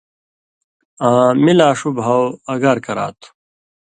آں می لا ݜُو بھاؤ اگار کرا تُھو۔